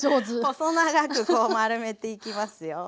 細長くこう丸めていきますよ。